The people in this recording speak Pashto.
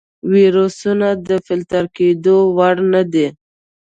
ویروسونه د فلتر کېدو وړ نه دي.